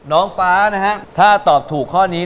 น้องฟ้านะฮะถ้าตอบถูกข้อนี้